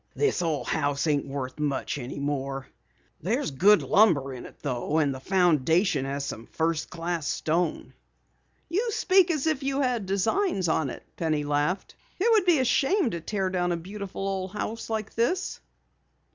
"This old house ain't much any more. There's good lumber in it though, and the foundation has some first class stone." "You speak as if you had designs on it," Penny laughed. "It would be a shame to tear down a beautiful old house such as this."